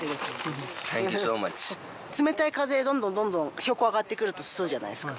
冷たい風どんどんどんどん標高上がってくると吸うじゃないですか？